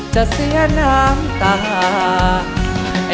จะเสียน้ำตา